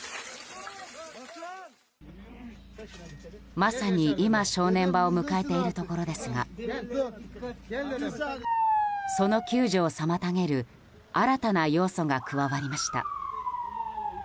まさに今正念場を迎えているところですがその救助を妨げる新たな要素が加わりました。